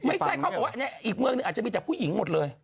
ไม่ใช่เขาบอกว่าอีกเมืองหนึ่งอาจจะมีแต่ผู้หญิงหมดเลย